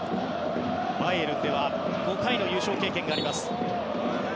バイエルンでは５回の優勝経験があります。